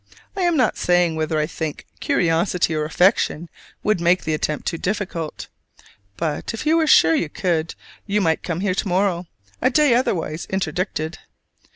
I am not saying whether I think curiosity, or affection, would make the attempt too difficult. But if you were sure you could, you might come here to morrow a day otherwise interdicted.